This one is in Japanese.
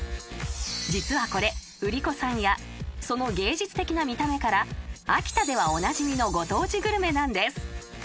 ［実はこれ売り子さんやその芸術的な見た目から秋田ではおなじみのご当地グルメなんです］